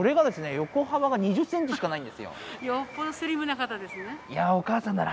横幅が２０ｃｍしかないんですよ